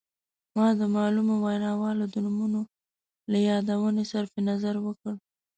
ما د معلومو ویناوالو د نومونو له یادونې صرف نظر وکړ.